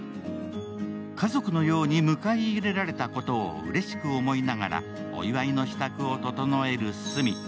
家族のように迎え入れられたことをうれしく思いながら、お祝いの支度を整えるスミ。